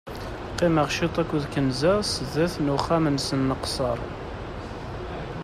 Qqimeɣ ciṭ aked kenza sdat n uxxam-nsen nqesser.